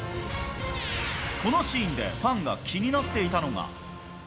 このシーンで、ファンが気になっていたのが。